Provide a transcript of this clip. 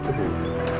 để giảm thiểu bụi